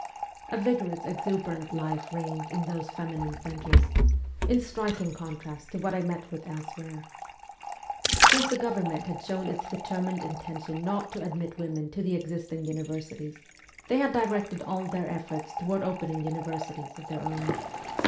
A vigorous, exuberant life reigned in those feminine centres, in striking contrast to what I met with elsewhere. Since the Government had shown its determined intention not to admit women to the existing univer sities they had directed all their efforts toward opening universities of their own.